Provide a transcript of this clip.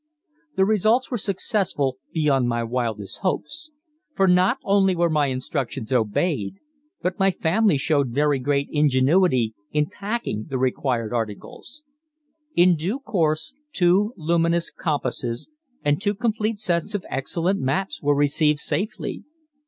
The results were successful beyond my wildest hopes, for not only were instructions obeyed, but my family showed very great ingenuity in packing the required articles. In due course two luminous compasses and two complete sets of excellent maps were received safely.